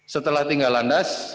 setelah tinggal landas